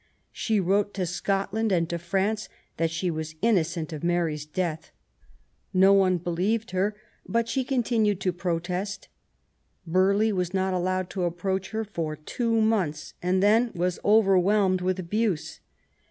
She wrote to Scotland and to France that she was innocent of Mary's death. No one believed her, but she continued to THE CRISIS. 231 protest. ' Burghley was not allowed to approach her for two months, and then was overwhelmed with al3use.